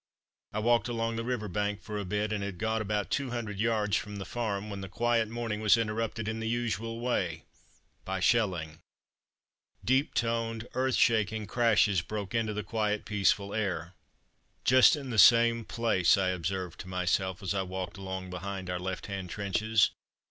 I walked along the river bank for a bit, and had got about two hundred yards from the farm when the quiet morning was interrupted in the usual way, by shelling. Deep toned, earth shaking crashes broke into the quiet peaceful air. "Just in the same place," I observed to myself as I walked along behind our left hand trenches.